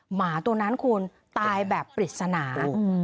หมาตัวนั้นคุณตายแบบปริศนา